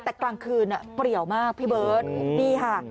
แต่กลางคืนเปรียวมากพี่เบิร์ตนี่ค่ะ